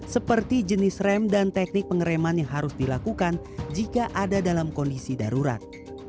seperti jenis rem dan teknik pengereman yang harus dilakukan jika ada dalam kondisi darurat